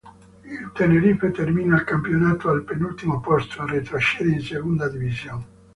Il Tenerife termina il campionato al penultimo posto e retrocede in Segunda División.